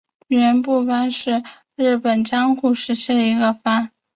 园部藩是日本江户时代的一个藩。